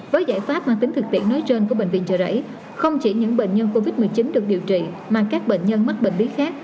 với giải pháp mang tính thực tiễn nói trên của bệnh viện trợ rẫy không chỉ những bệnh nhân covid một mươi chín được điều trị mà các bệnh nhân mắc bệnh lý khác